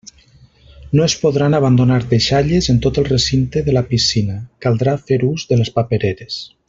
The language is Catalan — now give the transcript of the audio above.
No es podran abandonar deixalles en tot el recinte de la piscina, caldrà fer ús de les papereres.